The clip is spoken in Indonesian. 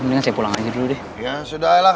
menunggu dulu agak baik aja ya